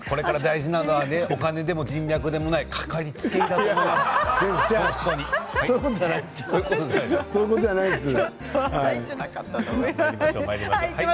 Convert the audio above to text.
これから大事なのはお金でも人脈でもないそういうことではないですよ。